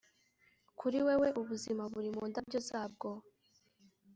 kuri wewe, ubuzima buri mu ndabyo zabwo